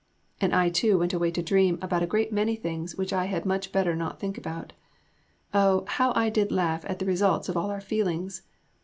And I too went away to dream about a great many things which I had much better not think about. Oh, how I did laugh at the results of all our feelings!